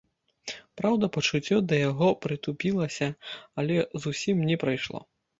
Праўда, пачуццё да яго прытупілася, але зусім не прайшло.